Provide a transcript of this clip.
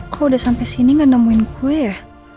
kok udah sampai sini gak nemuin gue ya